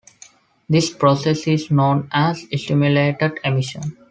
This process is known as "stimulated emission".